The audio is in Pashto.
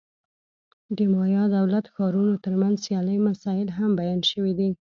د مایا دولت-ښارونو ترمنځ سیالۍ مسایل هم بیان شوي دي.